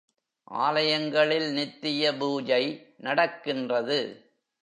ஆலயங்களில் நித்திய பூஜை நடக்கின்றது.